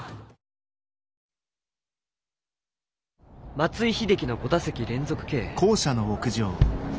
松井秀喜の５打席連続敬遠。